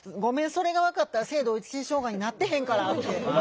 それが分かったら性同一性障害になってへんから」って思うんですよ。